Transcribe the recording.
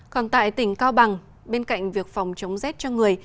còn tại tỉnh cao bằng bên cạnh việc phòng chống rét cho người